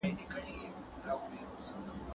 زه به لیکل کړي وي.